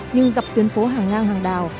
nhưng dọc tuyến phố hàng ngang hàng đào